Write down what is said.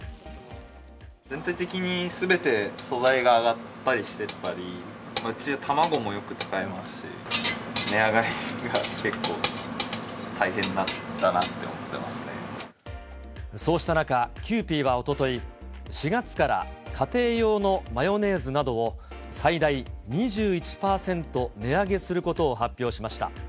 全体的にすべて、素材が上がったりしてたり、うちは卵もよく使いますし、値上がりが結構、そうした中、キユーピーはおととい、４月から家庭用のマヨネーズなどを最大２１％値上げすることを発表しました。